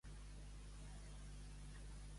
On va el pare? On vol l'ase.